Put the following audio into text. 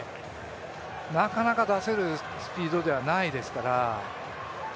なかなか出せるスピードではないですから。